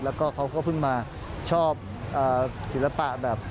แล้วก็เขาก็เพิ่งมาชอบศิลปะแบบ